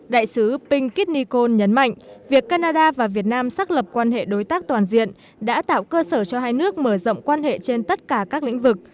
đại sứ ping kit nikol nhấn mạnh việc canada và việt nam xác lập quan hệ đối tác toàn diện đã tạo cơ sở cho hai nước mở rộng quan hệ trên tất cả các lĩnh vực